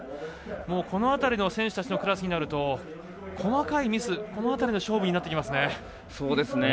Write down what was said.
この辺りの選手たちのクラスになると細かいミス、この辺りの勝負になってきますね。